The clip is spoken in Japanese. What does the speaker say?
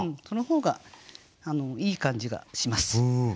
その方がいい感じがします。